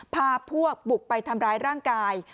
พาพวกบุกไปทำร้ายร่างกาย